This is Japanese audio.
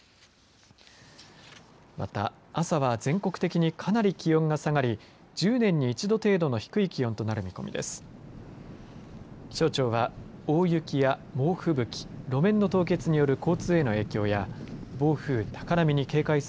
また朝は全国的にかなり気温が下がり１０年に一度程度の低い気温となる見込みです。